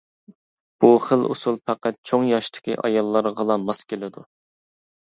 بۇ خىل ئۇسۇل پەقەت چوڭ ياشتىكى ئاياللارغىلا ماس كېلىدۇ.